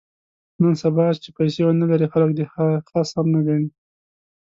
نن سبا چې پیسې ونه لرې خلک دې خس هم نه ګڼي.